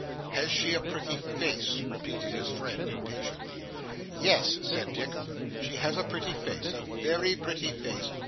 'Has she a pretty face,' repeated his friend impatiently. 'Yes,' said Dick, 'she has a pretty face, a very pretty face.